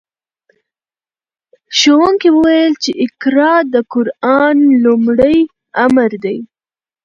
ښوونکي وویل چې اقرأ د قرآن لومړی امر دی.